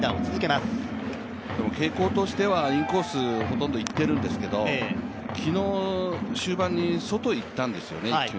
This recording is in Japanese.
傾向としてはインコース、ほとんどいってるんですけど、昨日、終盤に外へいったんですね、１球。